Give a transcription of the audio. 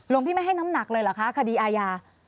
พี่ไม่ให้น้ำหนักเลยเหรอคะคดีอาญา